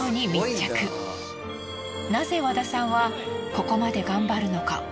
なぜ和田さんはここまで頑張るのか？